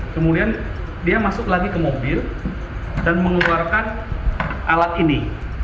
kemudian dia masuk lagi ke mobil dan mengeluarkan alat ini